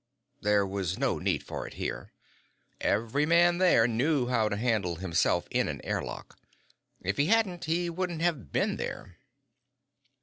_ There was no need for it here; every man there knew how to handle himself in an air lock. If he hadn't, he wouldn't have been there.